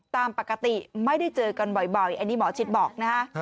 ตามปกติไม่ได้เจอกันบ่อยอันนี้หมอชิดบอกนะฮะ